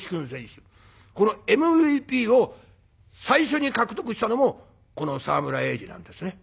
このＭＶＰを最初に獲得したのもこの沢村栄治なんですね。